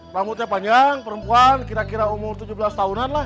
rambutnya panjang perempuan kira kira umur tujuh belas tahunan lah